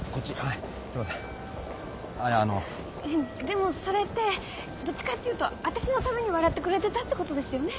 でもそれってどっちかって言うとわたしのために笑ってくれてたってことですよね？